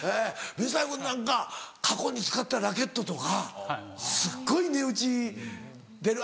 水谷君なんか過去に使ったラケットとかすっごい値打ち出る。